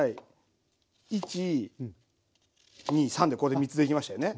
１２３でこれで３つ出来ましたよね。